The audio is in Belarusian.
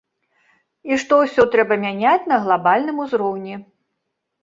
І што ўсё трэба мяняць на глабальным узроўні.